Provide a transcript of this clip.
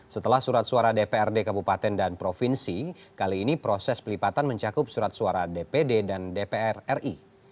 setelah surat suara dprd kabupaten dan provinsi kali ini proses pelipatan mencakup surat suara dpd dan dpr ri